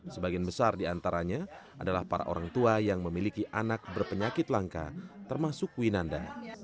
sebagian besar diantaranya adalah para orang tua yang memiliki anak berpenyakit langka termasuk winanda